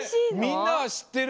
みんなはしってる？